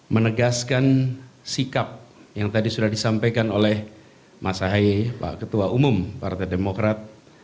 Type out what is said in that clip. menegaskan sikap yang tadi sudah disampaikan oleh mas ahaye pak ketua umum partai demokrat